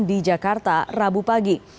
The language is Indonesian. di jakarta rabu pagi